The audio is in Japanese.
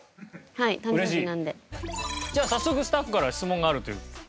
じゃあ早速スタッフから質問があるという。